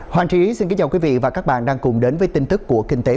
hoàng trí xin kính chào quý vị và các bạn đang cùng đến với tin tức